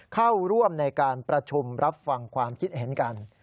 เข้าร่วมในการประชุมรับฟังความคิดเห็นกัน